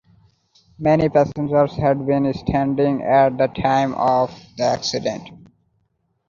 Many passengers had been standing at the time of the accident.